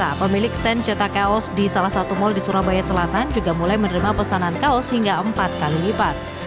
nah pemilik stand cetak kaos di salah satu mal di surabaya selatan juga mulai menerima pesanan kaos hingga empat kali lipat